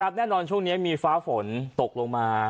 แน่นอนช่วงนี้มีฟ้าฝนตกลงมา